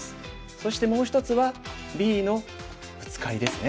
そしてもう１つはＢのブツカリですね。